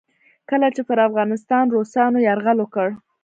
کله چې پر افغانستان روسانو یرغل وکړ.